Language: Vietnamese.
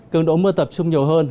cường độ mưa tập trung nhiều hơn